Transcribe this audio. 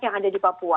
yang ada di papua